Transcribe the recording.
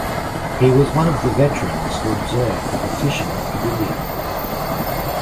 He was one of the veterans who observed the partition of India.